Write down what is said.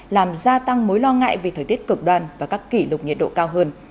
làm gia tăng mối lo ngại về thời tiết cực đoan và các kỷ lục nhiệt độ cao hơn